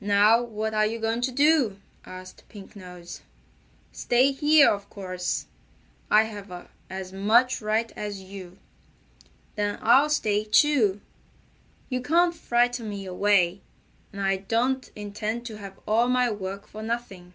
"Now what are you going to do?" asked Pink Nose. "Stay here, of course. I have as much right as you." "Then I'll stay, too. You can't frighten me away, and I don't intend to have all my work for nothing."